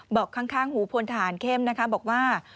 บอกข้างหูพลฐานเข้มนะคะบอกว่า